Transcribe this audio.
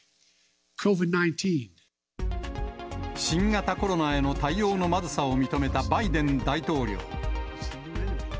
新型コロナへの対応のまずさを認めたバイデン大統領。